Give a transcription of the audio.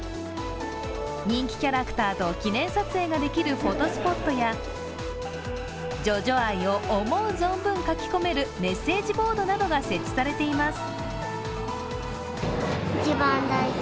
人気キャラクターと記念撮影ができるフォトスポットやジョジョ愛を思う存分書き込めるメッセージボードなどが設置されています。